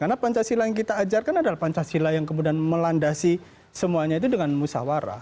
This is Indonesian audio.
karena pancasila yang kita ajarkan adalah pancasila yang kemudian melandasi semuanya itu dengan musawarah